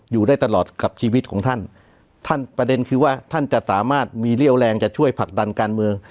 อยู่ได้ตลอดกับชีวิตของท่านท่านประเด็นคือว่าท่านจะสามารถมีเรี่ยวแรงจะช่วยผลักดันการเมือง